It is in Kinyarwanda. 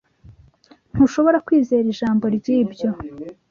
Ntushobora kwizera ijambo ryibyo.